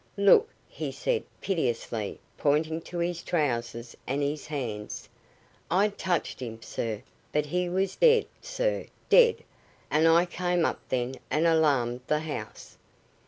"Look," he said, piteously, pointing to his trousers and his hands. "I touched him, sir, but he was dead, sir, dead, and I came up then and alarmed the house."